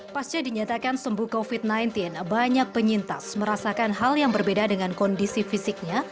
pasca dinyatakan sembuh covid sembilan belas banyak penyintas merasakan hal yang berbeda dengan kondisi fisiknya